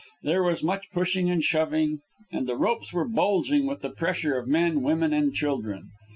There was much pushing and shoving, and the ropes were bulging with the pressure of men, women and children.